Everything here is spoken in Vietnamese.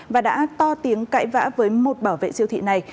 và đã to tiếng cãi vã với một bảo vệ siêu thị này